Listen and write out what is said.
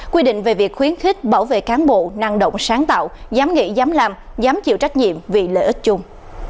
quy định về việc khuyến khích bảo vệ cán bộ năng động sáng tạo dám nghĩ dám làm dám chịu trách nhiệm vì lợi ích chung